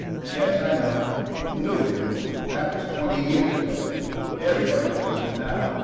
Yes, I know him knew him. That was twenty years ago. Everybody knows him now.